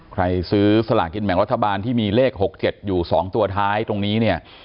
ซื้อสลากินแบ่งรัฐบาลที่มีเลข๖๗อยู่๒ตัวท้ายตรงนี้เนี่ย